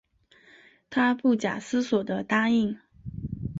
她不假思索的答应